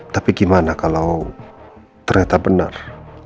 tapi gimana kalau ternyata benar